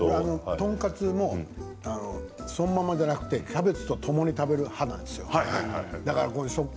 トンカツもそのままじゃなくてキャベツとともに食べる派なんですよ。